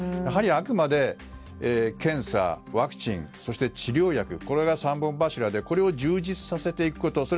やはりあくまで検査、ワクチン、治療薬これが三本柱でこれを充実させていくこと。